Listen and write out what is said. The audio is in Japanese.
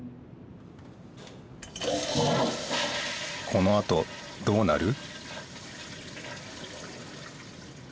このあとどうなる？